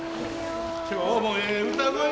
今日もええ歌声やなあ。